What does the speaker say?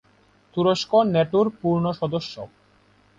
তুরস্ক ন্যাটোর পূর্ণ সদস্য।